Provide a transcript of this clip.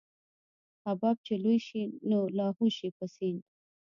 حباب چې لوى شي نو لاهو شي په سيند.